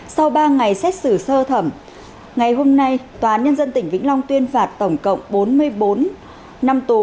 sau ba ngày xét xử sơ thẩm ngày hôm nay tòa án nhân dân tỉnh vĩnh long tuyên phạt tổng cộng bốn mươi bốn năm tù